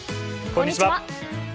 こんにちは。